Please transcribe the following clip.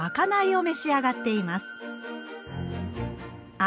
あ！